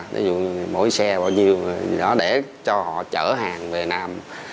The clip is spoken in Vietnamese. thí dụ như mỗi xe bao nhiêu để cho họ chở hàng về nam